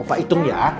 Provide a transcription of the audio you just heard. opa hitung ya